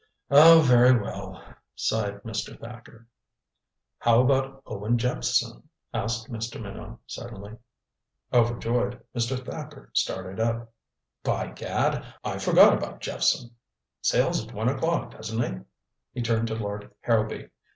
"Oh, very well," sighed Mr. Thacker. "How about Owen Jephson?" asked Mr. Minot suddenly. Overjoyed, Mr. Thacker started up. "By gad I forgot about Jephson. Sails at one o'clock, doesn't he?" He turned to Lord Harrowby.